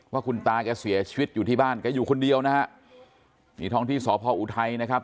ว่าคุณตาแกเสียชีวิตอยู่ที่บ้านแกอยู่คนเดียวนะฮะนี่ท้องที่สพออุทัยนะครับ